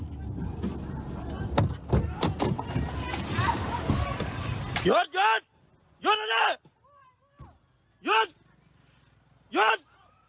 หยุดหยุดหยุดอ่ะนี่หยุดหยุด